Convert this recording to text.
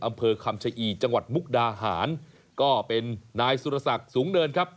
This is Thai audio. อำเภอคำชะอีจังหวัดมุกดาหารก็เป็นนายสุรศักดิ์สูงเนินครับ